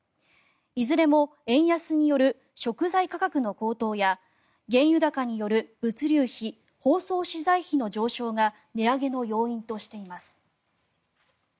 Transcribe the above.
いずれも円安による食材価格の高騰や原油高による物流費・包装資材費の上昇が値上げの要因としています。